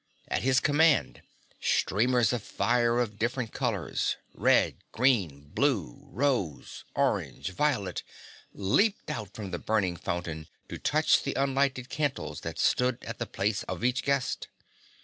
At his command, streamers of fire of different colors red, green, blue, rose, orange, violet leaped out from the burning fountain to touch the unlighted candles that stood at the place of each guest.